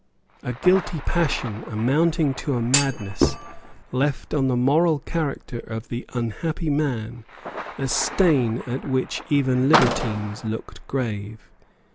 A guilty passion, amounting to a madness, left on the moral character of the unhappy man a stain at which even libertines looked grave.